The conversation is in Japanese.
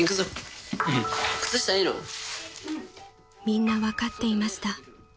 ［みんな分かっていました］